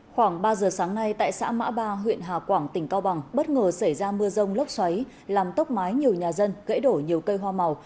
khoảng ba giờ sáng nay tại xã mã ba huyện hà quảng tỉnh cao bằng bất ngờ xảy ra mưa rông lốc xoáy làm tốc mái nhiều nhà dân gãy đổ nhiều cây hoa màu